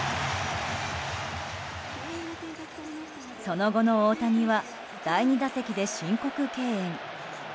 その後の大谷は第２打席で申告敬遠。